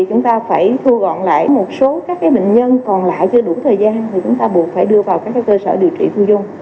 chúng ta phải thu gọn lại một số các bệnh nhân còn lại chưa đủ thời gian thì chúng ta buộc phải đưa vào các cơ sở điều trị thu dung